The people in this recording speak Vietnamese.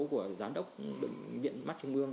của giám đốc viện mắt trung ương